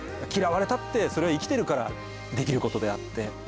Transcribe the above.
嫌われたってそれは生きてるからできることであって。